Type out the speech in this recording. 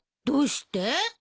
どうして？